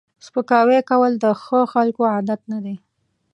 سپکاوی کول د ښو خلکو عادت نه دی